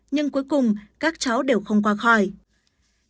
nhưng cuối cùng các cháu đều không qua khỏi